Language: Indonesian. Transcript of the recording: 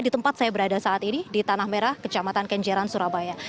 di tempat saya berada saat ini di tanah merah kecamatan kenjeran surabaya